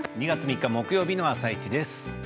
２月３日木曜日の「あさイチ」です。